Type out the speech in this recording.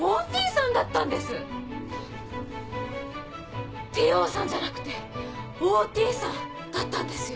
Ｔ・ＯさんじゃなくてＯ・Ｔさんだったんですよ。